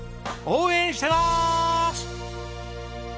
応援してます！